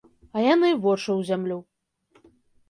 А яны вочы ў зямлю.